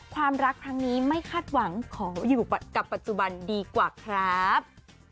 ความรักครั้งนี้ไม่คาดหวังขออยู่กับปัจจุบันดีกว่าครับ